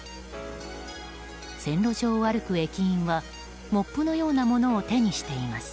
線路上を歩く駅員はモップのようなものを手にしています。